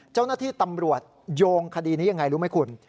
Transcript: เจ้าหน้าที่ตำรวจโยงคดีนี้ยังไงรู้ไหมคุณ